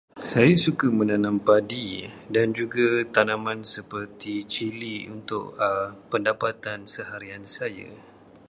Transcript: Saya suka menanam padi dan juga tanaman seperti cili untuk pendapatan seharian saya.